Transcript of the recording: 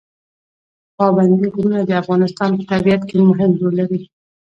پابندی غرونه د افغانستان په طبیعت کې مهم رول لري.